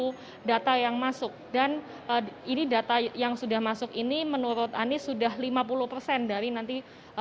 dari satu ratus lima puluh data yang masuk dan ini data yang sudah masuk ini menurut anies sudah lima puluh dari nanti